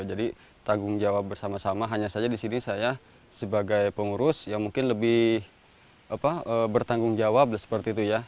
jadi tanggung jawab bersama sama hanya saja di sini saya sebagai pengurus yang mungkin lebih bertanggung jawab seperti itu ya